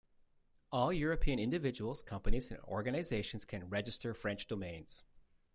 All European individuals, companies and organizations can register French domains.